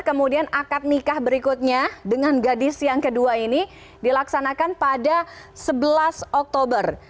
kemudian akad nikah berikutnya dengan gadis yang kedua ini dilaksanakan pada sebelas oktober